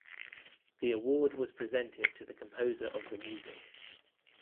The award was presented to the composer of the music.